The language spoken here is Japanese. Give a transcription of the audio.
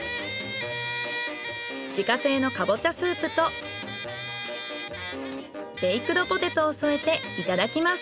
自家製のカボチャスープとベイクドポテトを添えていただきます。